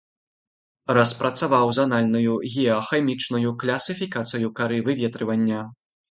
Распрацаваў занальную геахімічную класіфікацыю кары выветрывання.